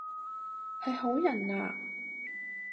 係好人啊？